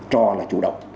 trò là chủ động